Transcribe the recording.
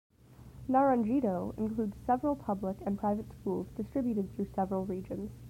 Naranjito includes several public and private schools distributed through several regions.